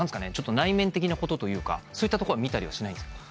内面的なことというかそういったところは見たりはしないんですか？